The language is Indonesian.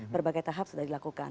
berbagai tahap sudah dilakukan